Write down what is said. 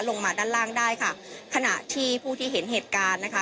ลงมาด้านล่างได้ค่ะขณะที่ผู้ที่เห็นเหตุการณ์นะคะ